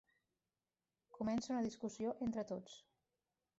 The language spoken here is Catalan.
Comença una discussió entre tots.